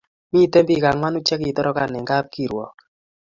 Miten pik anwanu che kitorokan en kapkirwok